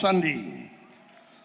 saudara natalius pigai